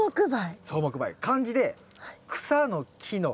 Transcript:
漢字で草の木の灰。